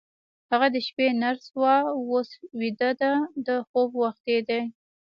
هغه د شپې نرس وه، اوس بیده ده، د خوب وخت یې دی.